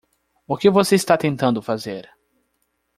O que você está tentando fazer?